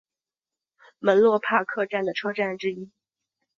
门洛帕克站的车站之一。